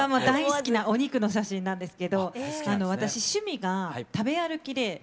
大好きなお肉の写真なんですけど私趣味が食べ歩きで。